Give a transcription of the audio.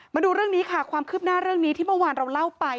มาดูเรื่องนี้ค่ะความคืบหน้าเรื่องนี้ที่เมื่อวานเราเล่าไป